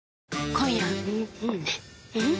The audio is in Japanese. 今夜はん